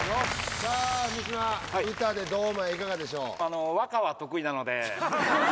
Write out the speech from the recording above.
さあ三島歌で堂前いかがでしょう？